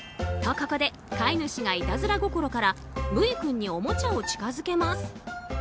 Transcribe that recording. と、ここで飼い主がいたずら心からＶ君におもちゃを近づけます。